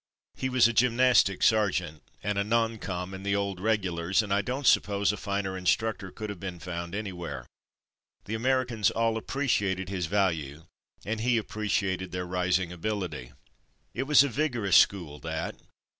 He was a gymnastic sergeant and a ''Non. Com." in the old ''regulars," and I don't suppose a finer instructor could have been found anywhere. The Americans all appre ciated his value, and he appreciated their rising ability. It was a vigorous school, that.